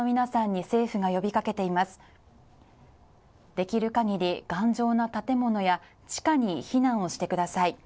できる限り頑丈な建物や地下に避難をしてください。